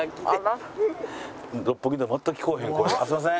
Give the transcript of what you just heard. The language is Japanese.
すいません。